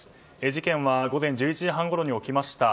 事件は午前１１時半ごろに起きました。